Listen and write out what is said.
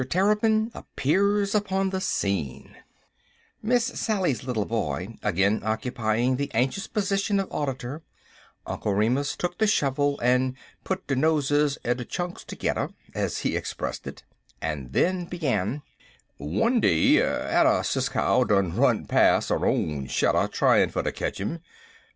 TERRAPIN APPEARS UPON THE SCENE "MISS SALLY'S" little boy again occupying the anxious position of auditor, Uncle Remus took the shovel and "put de noses er de chunks tergedder," as he expressed it, and then began: "One day, atter Sis Cow done run pas' 'er own shadder tryin' fer ter ketch 'im.